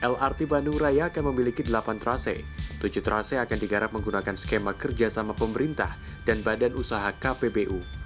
lrt bandung raya akan memiliki delapan trase tujuh trase akan digarap menggunakan skema kerjasama pemerintah dan badan usaha kpbu